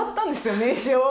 名刺を。